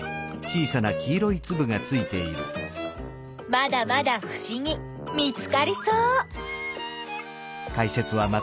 まだまだふしぎ見つかりそう！